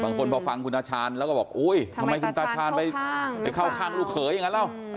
บางคนพอฟังคุณตาชาญแล้วก็บอกอุ๊ยทำไมคุณตาชาญไปเข้าข้างลูกเขยอย่างนั้นแล้ว